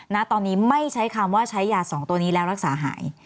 ณตอนนี้ไม่ใช้คำว่าใช้ยา๒ตัวนี้แล้วรักษาหาย